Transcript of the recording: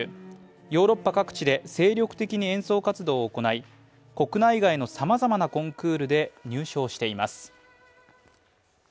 ヨーロッパ各地で精力的に演奏活動を行い国内外のさまざまなコンクールで入賞しています。